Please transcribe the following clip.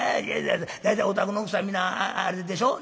大体お宅の奥さんや皆あれでしょ